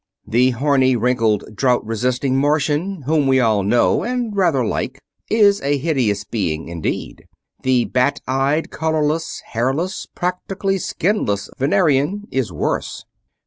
The horny, wrinkled, drought resisting Martian, whom we all know and rather like, is a hideous being indeed. The bat eyed, colorless, hairless, practically skinless Venerian is worse.